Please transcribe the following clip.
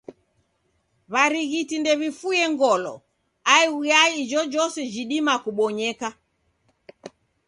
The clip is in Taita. W'arighiti ndew'ifuye ngolo aighu ya ijojose jidima kubonyeka.